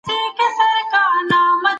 جنسي انحراف لويه ستونزه ده.